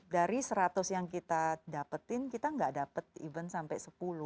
dari seratus yang kita dapetin kita nggak dapat event sampai sepuluh